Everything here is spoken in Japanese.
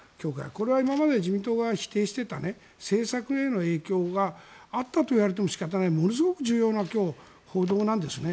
これは今まで自民党が否定していた政策への影響があったと言われても仕方ないものすごく重要な今日の報道なんですね。